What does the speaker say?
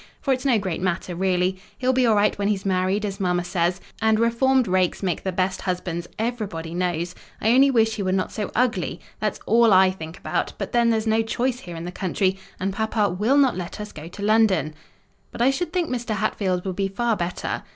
For it's no great matter, really: he'll be all right when he's married, as mamma says; and reformed rakes make the best husbands, everybody knows. I only wish he were not so ugly—that's all I think about: but then there's no choice here in the country; and papa will not let us go to London—" "But I should think Mr. Hatfield would be far better."